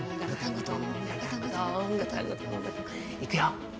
いくよ。